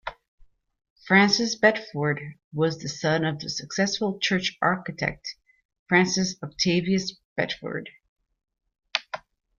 Francis Bedford was the son of the successful church architect Francis Octavius Bedford.